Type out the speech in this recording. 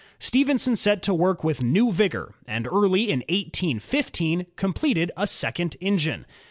Stephenson set to work with new vigor, and early in 181 5 completed a second engine.